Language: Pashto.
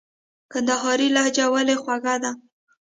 کندهارۍ لهجه ولي خوږه ده ؟